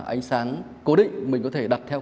ánh sáng cố định mình có thể đặt theo